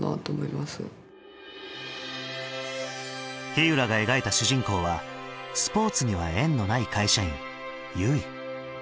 ひうらが描いた主人公はスポーツには縁のない会社員結衣。